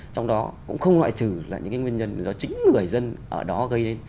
trong đó cũng không ngoại trừ là những cái nguyên nhân do chính người dân ở đó gây đến